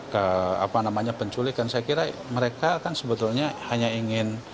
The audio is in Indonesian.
kepada korban penculikan saya kira mereka kan sebetulnya hanya ingin